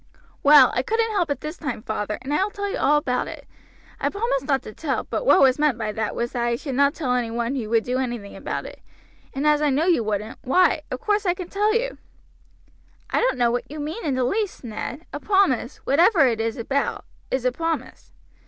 "Well, I couldn't help it this time, father, and I will tell you all about it. I promised not to tell; but what was meant by that was that I should not tell any one who would do anything about it; and as I know you won't, why, of course I can tell you." "I don't know what you mean in the least, Ned; a promise, whatever it is about, is a promise."